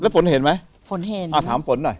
แล้วฝนเห็นไหมฝนเห็น